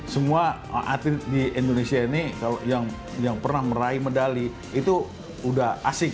semua atlet di indonesia ini kalau yang pernah meraih medali itu udah asik